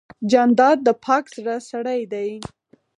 جانداد د پاک زړه سړی دی.